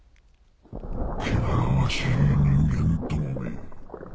汚らわしい人間どもめ。